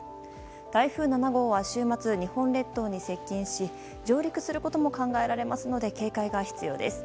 台風７号は週末日本列島に接近し上陸することも考えられますので警戒が必要です。